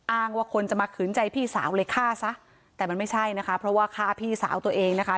ว่าคนจะมาขืนใจพี่สาวเลยฆ่าซะแต่มันไม่ใช่นะคะเพราะว่าฆ่าพี่สาวตัวเองนะคะ